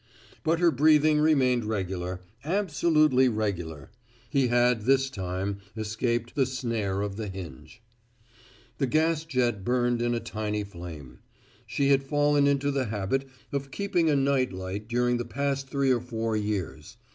But her breathing remained regular, absolutely regular; he had this time escaped the snare of the hinge. The gas jet burned in a tiny flame. She had fallen into the habit of keeping a night light during the past three or four years.